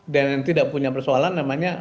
dan yang tidak punya persoalan namanya